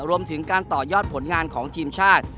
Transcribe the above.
รวมถึงการต่อยอดผลงานของทีมชาติ